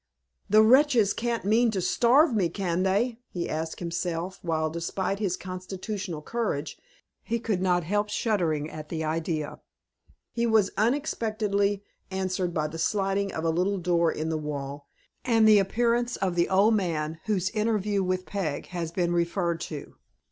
"The wretches can't mean to starve me, can they?" he asked himself, while, despite his constitutional courage, he could not help shuddering at the idea. He was unexpectedly answered by the sliding of a little door in the wall, and the appearance of the old man whose interview with Peg has been referred to.